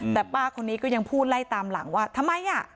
แต่ป้าคนนี้ก็ยังพูดไล่ตามหลังว่าทำไมอ่ะ